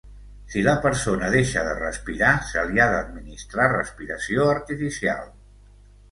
Si la persona deixa de respirar, se li ha d'administrar respiració artificial.